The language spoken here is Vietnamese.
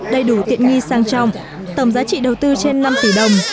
đầy đủ tiện nghi sang trọng tổng giá trị đầu tư trên năm tỷ đồng